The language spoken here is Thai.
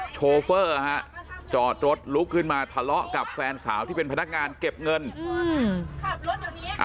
โชเฟอร์ฮะจอดรถลุกขึ้นมาทะเลาะกับแฟนสาวที่เป็นพนักงานเก็บเงินอืม